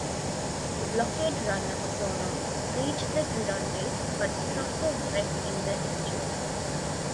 The blockade runner "Osorno" reached the Gironde, but struck a wreck in the estuary.